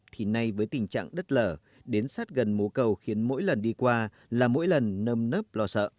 thì nay với tình trạng đất lở đến sát gần mố cầu khiến mỗi lần đi qua là mỗi lần nâm nớp lo sợ